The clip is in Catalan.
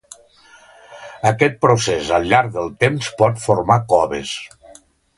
Aquest procés al llarg del temps pot formar coves.